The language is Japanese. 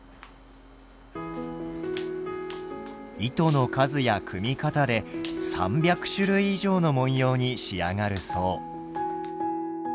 糸の数や組み方で３００種類以上の文様に仕上がるそう。